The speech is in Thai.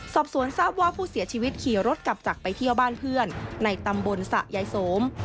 สอบสวนทราบว่าผู้เสียชีวิตขี่รถกลับจากไปเที่ยวบ้านเพื่อนในตำบลสะยายสม